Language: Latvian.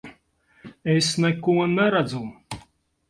Es neko neredzu!